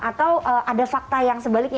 atau ada fakta yang sebaliknya